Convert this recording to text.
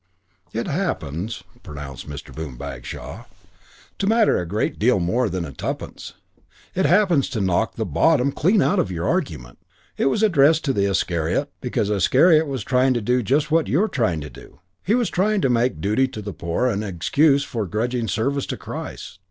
"It happens," pronounced Mr. Boom Bagshaw, "to matter a great deal more than tuppence. It happens to knock the bottom clean out of your argument. It was addressed to the Iscariot because the Iscariot was trying to do just what you are trying to do. He was trying to make duty to the poor an excuse for grudging service to Christ.